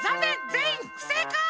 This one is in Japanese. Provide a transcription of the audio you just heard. ぜんいんふせいかい！